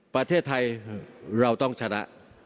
ประเทศไทยเราต้องชนะ